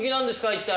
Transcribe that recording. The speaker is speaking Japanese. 一体。